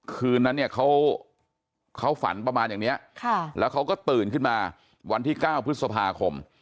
คืนนั้นเนี่ยเขาฝันประมาณอย่างนี้แล้วเขาก็ตื่นขึ้นมาวันที่๙พฤษภาคม